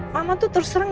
mama tuh terserang